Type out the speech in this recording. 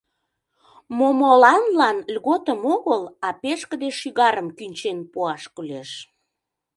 Момоланлан льготым огыл, а пешкыде шӱгарым кӱнчен пуаш кӱлеш.